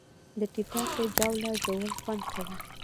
د ټیټاقې جاوله ژوول خوند کوي